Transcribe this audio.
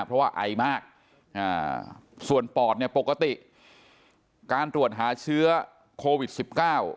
เพราะว่าไอมากอ่าส่วนปอดเนี่ยปกติการตรวจหาเชื้อโควิดสิบเก้า